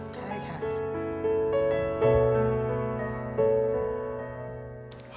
ใช่ค่ะ